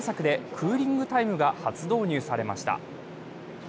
クーリングタイムが初導入されました。